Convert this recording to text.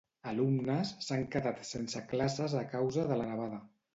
Alumnes s'han quedat sense classes a causa de la nevada.